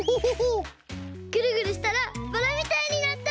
ぐるぐるしたらバラみたいになった！